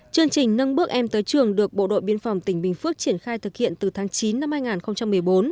chương trình nâng bước em tới trường được bộ đội biên phòng tỉnh bình phước triển khai thực hiện từ tháng chín năm hai nghìn một mươi bốn